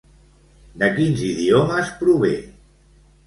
De quins idiomes prové?